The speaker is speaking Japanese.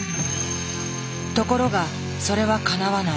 ところがそれはかなわない。